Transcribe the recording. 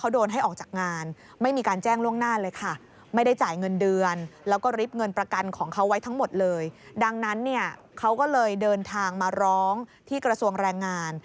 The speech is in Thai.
ดังนั้นเนี่ยเขาก็เลยเดินทางมาร้องที่กระทรวงแรงงาน